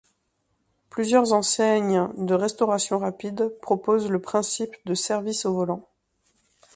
Plusieurs enseignes de restauration rapide proposent le principe de service au volant.